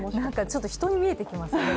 ちょっと人に見えてきますよね。